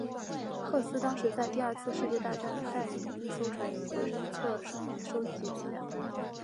赫斯当时在第二次世界大战带领一艘船以回声测深仪收集资料。